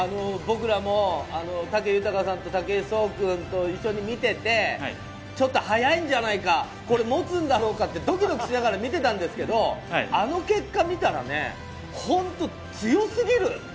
僕らも武豊さんと武井壮君と一緒に見ていて、ちょっと早いんじゃないか、これ持つんだろうか？ってドキドキしながら見ていたんですけど、あの結果を見たらね、本当、強すぎる！